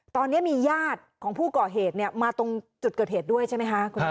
ตอนนี้มีญาติของผู้ก่อเหตุมาตรงจุดเกิดเหตุด้วยใช่ไหมคะ